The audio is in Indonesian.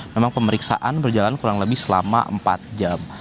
memang pemeriksaan berjalan kurang lebih selama empat jam